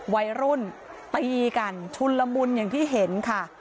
วัยรุ่นตีกันชุนละมุนอย่างที่เห็นค่ะ